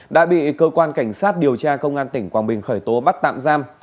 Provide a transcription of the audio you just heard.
đã bị cơ quan cảnh sát điều tra công an tỉnh quảng bình khởi tố bắt tạm giam